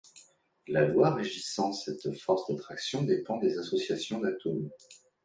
La loi régissant cette force d'attraction dépend des associations d'atomes.